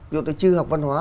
ví dụ tôi chưa học văn hóa